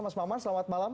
mas maman selamat malam